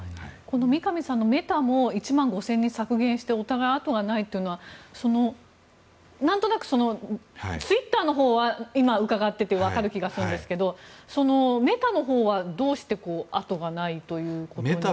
三上さんのメタも１万５０００人削減してお互い後がないというのはなんとなく、ツイッターのほうは今、伺っていてわかる気がするんですがメタのほうはどうして後がないということになっているんでしょうか。